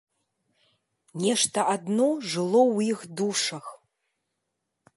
Нешта адно жыло ў іх душах.